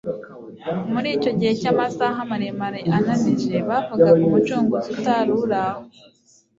Muri icyo gihe cy'amasaha maremare ananije, bavugaga Umucunguzi utari uri aho,